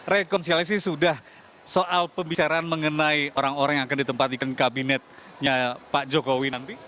rekonsiliasi sudah soal pembicaraan mengenai orang orang yang akan ditempatkan kabinetnya pak jokowi nanti